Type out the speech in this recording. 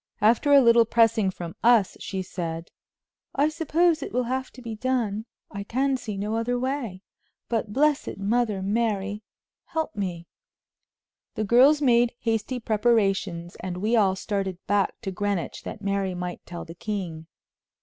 After a little pressing from us she said: "I suppose it will have to be done; I can see no other way; but blessed Mother Mary!... help me!" The girls made hasty preparations, and we all started back to Greenwich that Mary might tell the king.